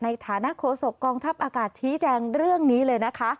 ในฐานครโศกกองทัพอากาศธีย์แจงเรื่องนี้เลย